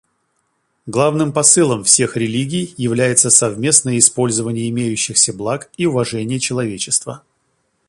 Главным посылом всех религий является совместное использование имеющихся благ и уважение человечества.